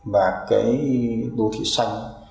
và cái đô thị xanh